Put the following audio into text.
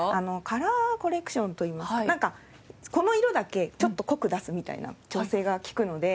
カラーコレクションといいますかなんかこの色だけちょっと濃く出すみたいな調整が利くので。